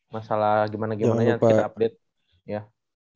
masalah gimana gimana ya kita update